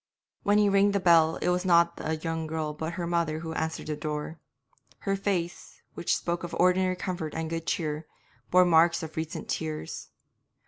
When he rang the bell it was not the young girl but her mother who answered the door; her face, which spoke of ordinary comfort and good cheer, bore marks of recent tears.